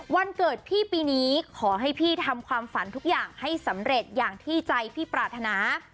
วันเกิดพี่ปีนี้ขอให้พี่ทำความฝันทุกอย่างให้สำเร็จอย่างที่ใจพี่ปรารถนา